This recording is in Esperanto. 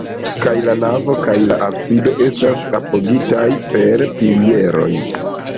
Kaj la navo kaj la absido estas apogitaj per pilieroj.